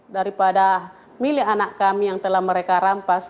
daripada milik anak kami yang telah mereka rampas